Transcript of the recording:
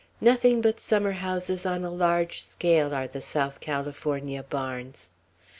Nothing but summerhouses on a large scale are the South California barns.